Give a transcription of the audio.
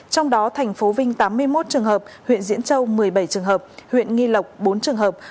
trong đó thành phố vinh tám mươi một trường hợp huyện diễn châu một mươi bảy trường hợp huyện nghi lộc bốn trường hợp